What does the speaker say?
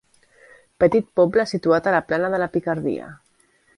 Petit poble situat a la plana de la Picardia.